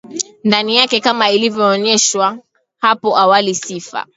ndani yake Kama ilivyoonyeshwa hapo awali sifa